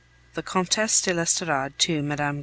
THE COMTESSE DE L'ESTORADE TO MME.